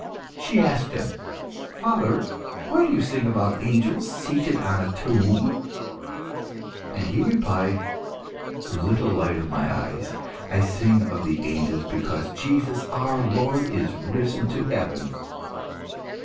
She asked him "Father, why do you sing about angels seated on a tomb?" And he replied "Little light of my eyes, I sing of the angels because Jesus, our Lord, is risen to heaven."